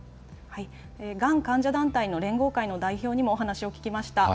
がん患者団体の連合会の代表にもお話を聞きました。